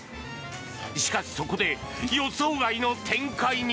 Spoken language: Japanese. しかし、そこで予想外の展開に。